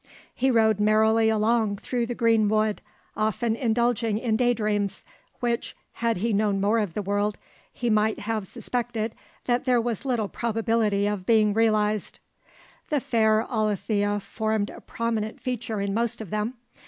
He rode merrily along through the green wood, often indulging in daydreams, which, had he known more of the world, he might have suspected that there was little probability of being realised. The fair Alethea formed a prominent feature in most of them.